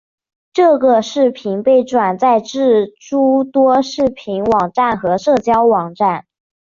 这个视频被转载至诸多视频网站和社交网站。